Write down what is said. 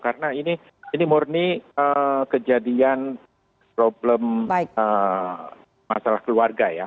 karena ini murni kejadian problem masalah keluarga ya